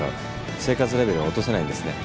生活レベルが落とせないんですね。